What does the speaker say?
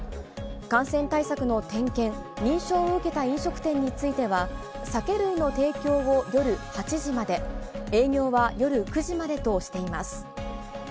感染対策の点検、認証を受けた飲食店については、酒類の提供を夜８時まで、営業は夜９時までとしています。